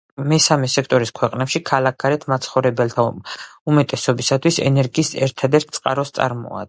მესამე სექტორის ქვეყნებში, ქალაქგარეთ მაცხოვრებელთა უმეტესობისთვის ენერგიის ერთადერთ წყაროს წარმოადგენს.